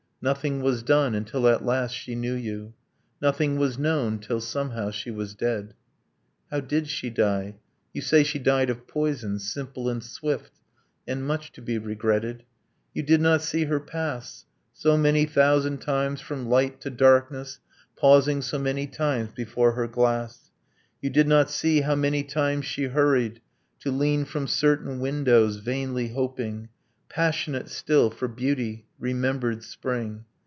Nothing was done, until at last she knew you. Nothing was known, till, somehow, she was dead. How did she die? You say, she died of poison. Simple and swift. And much to be regretted. You did not see her pass So many thousand times from light to darkness, Pausing so many times before her glass; You did not see how many times she hurried To lean from certain windows, vainly hoping, Passionate still for beauty, remembered spring.